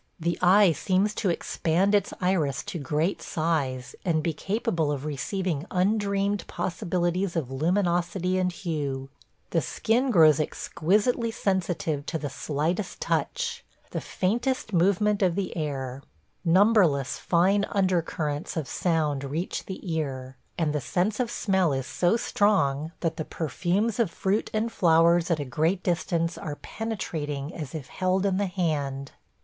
The eye seems to expand its iris to great size and be capable of receiving undreamed possibilities of luminosity and hue. The skin grows exquisitely sensitive to the slightest touch – the faintest movement of the air. Numberless fine under currents of sound reach the ear, and the sense of smell is so strong that the perfumes of fruit and flowers at a great distance are penetrating as if held in the hand.